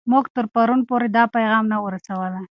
موږ تر پرون پورې دا پیغام نه و رسوولی.